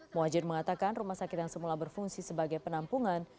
muhajir mengatakan rumah sakit yang semula berfungsi sebagai penampungan